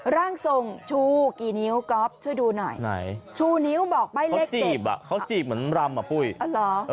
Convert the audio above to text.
ร่างทรงชูกี่นิ้วก็ช่วยดูหน่อยชูนิ้วบอกใบเลขเขาจีบเหมือนรำ